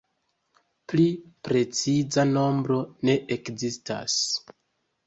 Pli preciza nombro ne ekzistas.